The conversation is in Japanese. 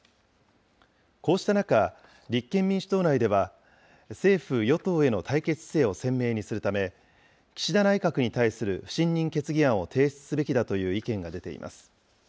こうした中、立憲民主党内では政府・与党への対決姿勢を鮮明にするため、岸田内閣に対する不信任決議案を提出すべきだという意見が出ています。